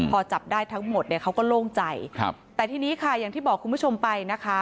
พอจับได้ทั้งหมดเนี่ยเขาก็โล่งใจครับแต่ทีนี้ค่ะอย่างที่บอกคุณผู้ชมไปนะคะ